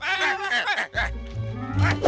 hei keluar gagal